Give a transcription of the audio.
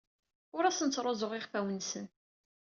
Ur asen-ttruẓuɣ iɣfawen-nsen.